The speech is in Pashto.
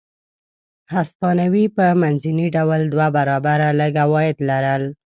هسپانوي په منځني ډول دوه برابره لږ عواید لرل.